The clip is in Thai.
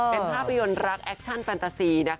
เป็นภาพยนตร์รักแอคชั่นแฟนตาซี